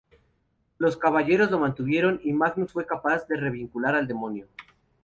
Los Caballeros lo mantuvieron y Magnus fue capaz de re-vincular al demonio.